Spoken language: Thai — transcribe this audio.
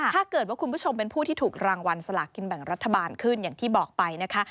ถ้าเกิดว่าคุณผู้ชมเป็นผู้ที่ถูกรางวัลสลากินแบ่งรัฐบาลขึ้นอย่างที่บอกไปนะคะ